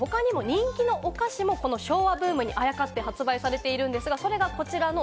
人気のお菓子も昭和ブームにあやかって発売されているんですが、こちら。